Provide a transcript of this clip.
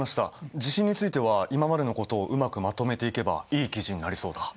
地震については今までのことをうまくまとめていけばいい記事になりそうだ。